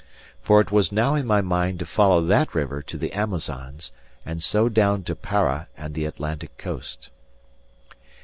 For it was now in my mind to follow that river to the Amazons, and so down to Para and the Atlantic coast.